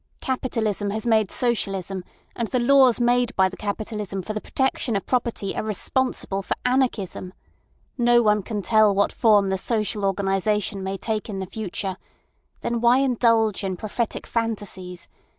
Capitalism has made socialism, and the laws made by the capitalism for the protection of property are responsible for anarchism. No one can tell what form the social organisation may take in the future. Then why indulge in prophetic phantasies?